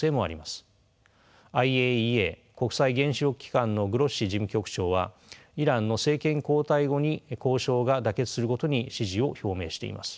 ＩＡＥＡ国際原子力機関のグロッシ事務局長はイランの政権交代後に交渉が妥結することに支持を表明しています。